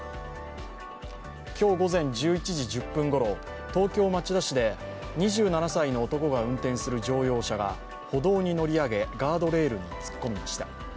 今日午前１１時１０分ごろ、東京・町田市で２７歳の男が運転する乗用車が歩道に乗り上げ、ガードレールに突っ込みました。